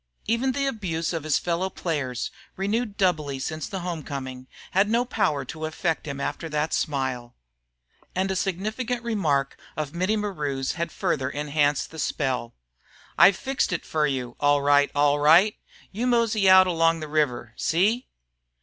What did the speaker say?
Even the abuse of his fellow players, renewed doubly since the home coming, had no power to affect him after that smile. And a significant remark of Mittie Maru's had further enhanced the spell. "I've fixed it fer you, all right, all right. You mosey out along the river. See!"